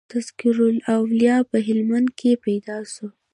"تذکرةالاولیاء" په هلمند کښي پيدا سو.